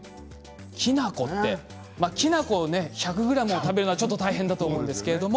きな粉ってまあきな粉をね１００ｇを食べるのはちょっと大変だと思うんですけれども。